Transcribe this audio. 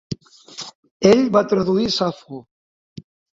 Ell va traduir Safo.